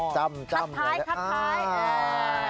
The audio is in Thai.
จำคัดท้าย